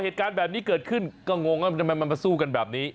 เหตุการณ์แบบนี้เกิดขึ้นก็งงว่าทำไมมันมาสู้กันแบบนี้